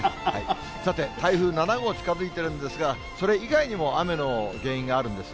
さて、台風７号、近づいているんですが、それ以外にも雨の原因があるんです。